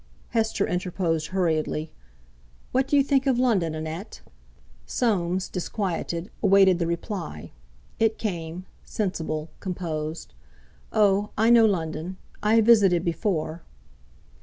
Hester interposed hurriedly: "What do you think of London, Annette?" Soames, disquieted, awaited the reply. It came, sensible, composed: "Oh! I know London. I have visited before."